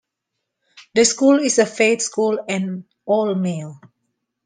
The school is a faith school and all-male.